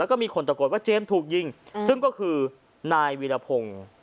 แล้วก็มีคนตะโกนว่าเจมส์ถูกยิงซึ่งก็คือนายวีรพงศ์